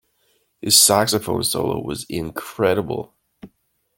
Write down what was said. His saxophone solo was incredible.